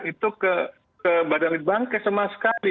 itu ke badan litbangkes sama sekali